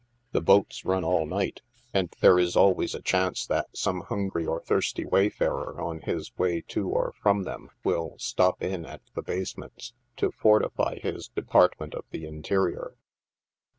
The boats run all night, and there is alwavs a chance 50 NIGHT SIDE OF NEW YORK. that some hungry or thirsty wayfarer on his way to or from them, will " stop in" at the basements, to fortify his " department of the in terior."